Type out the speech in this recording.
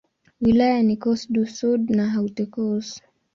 Wilaya ni Corse-du-Sud na Haute-Corse.